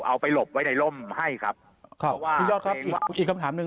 เอาไปหลบไว้ในร่มให้ครับครับพี่ยอดครับอีกอีกคำถามหนึ่ง